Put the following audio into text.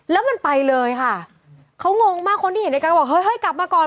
แล้วมันไปเลยค่ะเขางงมากคนที่เห็นในการก็บอกเฮ้ยเฮ้ยกลับมาก่อน